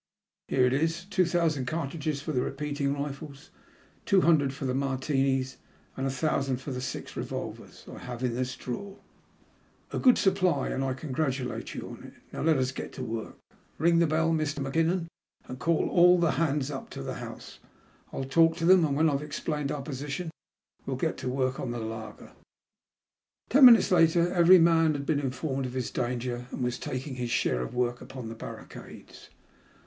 '' Here it is. Two thousand cartridges for the repeating rifles, two hundred for the Martinis, and a thousand for the six revolvers I have in this drawer." "A good supply, and I congratulate you on it. Now let us get to work. Bing the bell, Mr. Mackinnon, and call all the hands up to the house. I'll talk to them, and when I*ve explained our position, we'll get to work on the laager." Ten minutes later every man had been informed of his danger, and was taking his share of work upon the barricades.